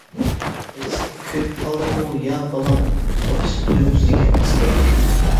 -بىرسىگە كۆيۈپ قالدىڭمۇ يا بالام؟ ئاپىسى تۇيۇقسىز گەپ قىستۇردى.